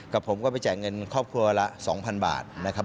ผมก็ไปแจกเงินครอบครัวละ๒๐๐๐บาทนะครับ